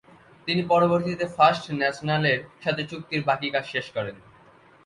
তিনি পরবর্তীতে ফার্স্ট ন্যাশনালের সাথে চুক্তির বাকি কাজ শেষ করেন।